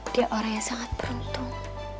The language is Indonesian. dia orang yang sangat beruntung